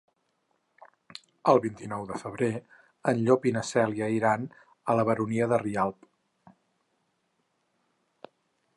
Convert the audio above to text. El vint-i-nou de febrer en Llop i na Cèlia iran a la Baronia de Rialb.